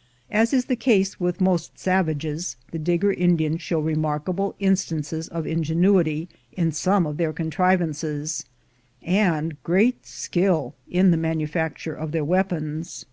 * As is the case with most savages, the Digger Indians show remarkable instances of ingenuity in some of their contrivances, and great skill in the manufacture of their weapons.